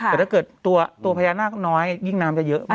แต่ถ้าเกิดตัวพญานาคน้อยยิ่งน้ำจะเยอะมาก